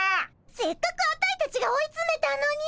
せっかくアタイたちが追い詰めたのに！